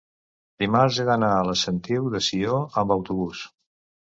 dimarts he d'anar a la Sentiu de Sió amb autobús.